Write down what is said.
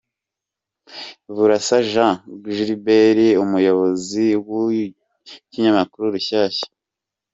Burasa Jean Gualbert umuyobozi w’ Ikinyamakuru Rushyashya